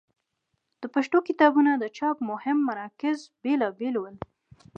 د پښتو کتابونو د چاپ مهم مراکز بېلابېل ول.